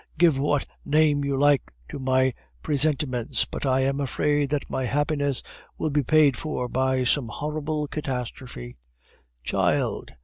Give what name you like to my presentiments, but I am afraid that my happiness will be paid for by some horrible catastrophe." "Child!"